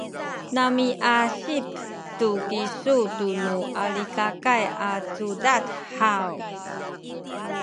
namiasip tu kisu tunu Alikakay a cudad haw?